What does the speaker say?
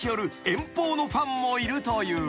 遠方のファンもいるという］